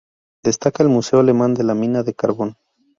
Destaca el Museo Alemán de la Mina de Carbón.